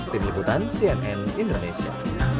tim liputan cnn indonesia